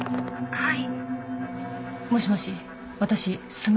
はい。